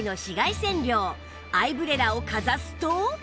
アイブレラをかざすと